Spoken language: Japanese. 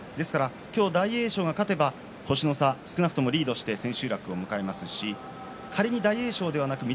今日大栄翔が勝てば星の差、少なくともリードして千秋楽を迎えますし仮に大栄翔ではなく翠